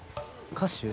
歌手？